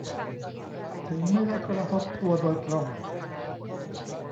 ถึงไม่ได้กระทบตัวโดยตรง